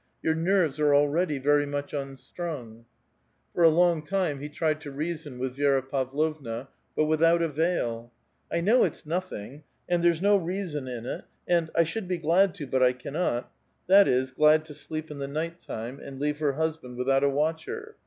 Your nerves are already very much unstrung." For a long time he tried to reason with Vi^ra Pavlovna, but without avail. " I know it's nothing," and, " There's no reason in it," and " I should be glad to, but I cannot," — that is, glad to sleep in the night time, and leave her hus band without a watcher.